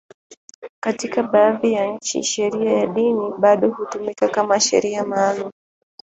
Katika baadhi ya nchi, sheria ya dini bado hutumika kama sheria maalum.